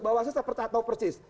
bawahnya saya percaya tau persis